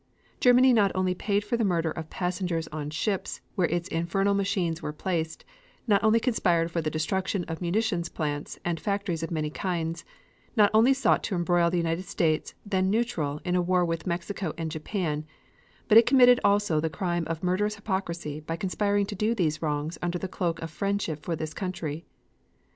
Germany not only paid for the murder of passengers on ships where its infernal machines were placed, not only conspired for the destruction of munition plants and factories of many kinds, not only sought to embroil the United States, then neutral, in a war with Mexico and Japan, but it committed also the crime of murderous hypocrisy by conspiring to do these wrongs under the cloak of friendship for this country.